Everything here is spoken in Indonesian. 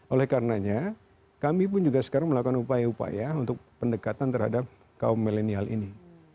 oleh karenanya kami pun juga sekarang melakukan upaya upaya untuk pendekatan terhadap kaum milenial ini